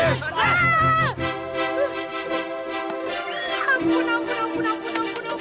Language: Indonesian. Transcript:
ampun ampun ampun